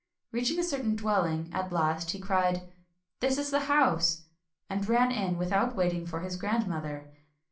Reaching a certain dwelling at last, he cried, "This is the house!" — and ran in, without waiting for his grandmother.